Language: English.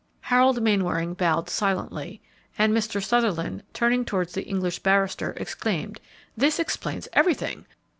Harold Mainwaring bowed silently, and Mr. Sutherland, turning towards the English barrister, exclaimed, "This explains everything!